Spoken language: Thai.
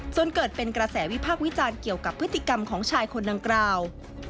จนเกิดเป็นกระแสวิพากษ์วิจารณ์เกี่ยวกับพฤติกรรมของชายคนดังกล่าว